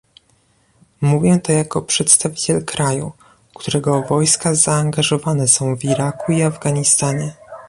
Mówię to jako przedstawiciel kraju, którego wojska zaangażowane są w Iraku i Afganistanie